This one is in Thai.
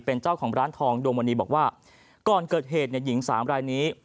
เป็นเจ้าของร้านทองดวงมณีบอกว่าก่อนเกิดเหตุเนี่ยหญิงสามรายนี้